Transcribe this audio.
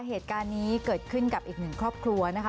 เหตุการณ์นี้เกิดขึ้นกับอีกหนึ่งครอบครัวนะคะ